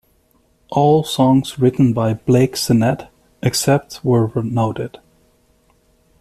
All songs written by Blake Sennett, except where noted.